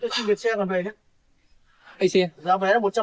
chúng tôi đã ra đagain đường đường trên đường bắc đài đông